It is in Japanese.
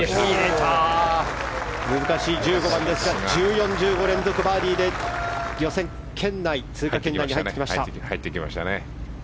難しい１５番ですが１４、１５連続バーディーで予選通過圏内に入ってきました。